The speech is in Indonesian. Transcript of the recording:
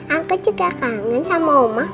aku juga kangen sama oma